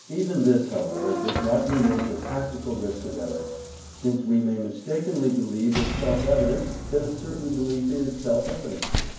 Even this, however, does not remove the practical risk of error, since we may mistakenly believe it self evident that a certain belief is self evident.